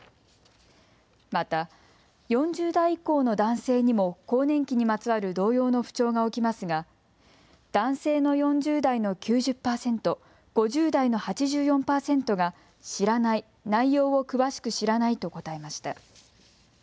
また４０代以降の男性にも、更年期にまつわる同様の不調が起きますが、男性の４０代の９０％、５０代の８４％が、知らない、内容を詳しく知らないと答えました。